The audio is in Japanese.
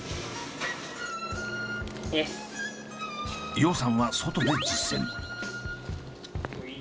葉さんは外で実践。